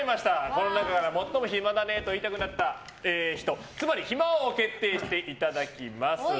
この中から最も暇だねぇと言いたくなった人つまり暇王を決定していただきます。